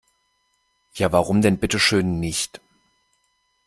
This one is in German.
Ja, warum denn bitte schön nicht?